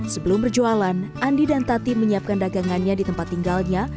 sebelum berjualan andi dan tati menyiapkan dagangannya di tempat tinggalnya